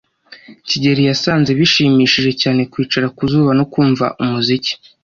kigeli yasanze bishimishije cyane kwicara ku zuba no kumva umuziki.